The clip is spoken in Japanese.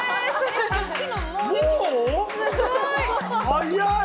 早い！